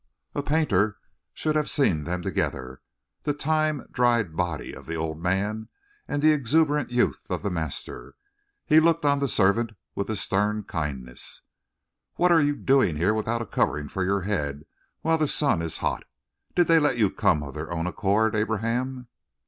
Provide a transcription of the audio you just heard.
A painter should have seen them together the time dried body of the old man and the exuberant youth of the master. He looked on the servant with a stern kindness. "What are you doing here without a covering for your head while the sun is hot? Did they let you come of their own accord, Abraham?"